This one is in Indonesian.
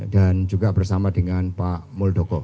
dan juga bersama dengan pak muldoko